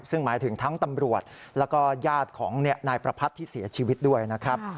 ซึ่งหมายถึงทั้งตำรวจแล้วก็ญาติของนายประพัทธ์ที่เสียชีวิตด้วยนะครับ